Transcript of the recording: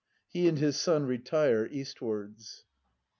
[He and his Son retire eastwards.